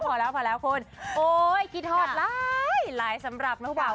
พอแล้วพอแล้วคุณโอ๊ยกินทอดล้ายหลายสำหรับนักผู้เป่า